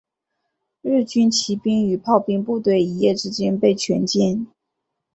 日军骑兵与炮兵部队一夜之间被全歼。